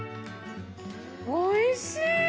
おいしい！